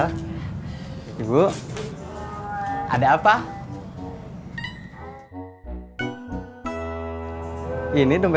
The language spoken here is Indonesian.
lo sudah jangan kalaugu